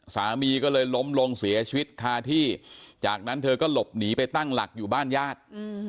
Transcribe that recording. สามีก็เลยล้มลงเสียชีวิตคาที่จากนั้นเธอก็หลบหนีไปตั้งหลักอยู่บ้านญาติ